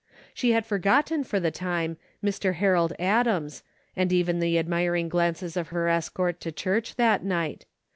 She had forgotten, for the time, Mr. Harold Adams, and even the admiring glances of her escort to church that night.